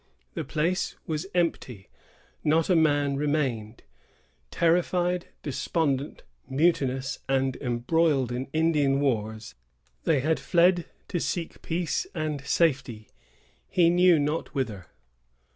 The place was empty. Not a man remained. Terrified, despondent, mutinous, and embroiled in Indian wars, they had fled to seek peace and safety, he knew not whither.